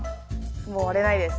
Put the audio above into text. もう割れないです。